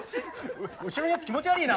後ろのやつ気持ち悪いな。